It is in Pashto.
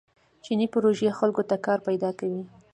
چیني پروژې خلکو ته کار پیدا کوي.